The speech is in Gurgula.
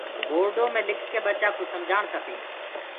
پورڊو مي لِک لي ٻچآ ڪو سمجهآڻ کپي۔